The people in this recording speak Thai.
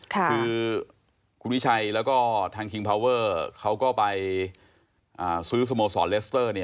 คือคุณวิชัยแล้วก็ทางคิงพาวเวอร์เขาก็ไปซื้อสโมสรเลสเตอร์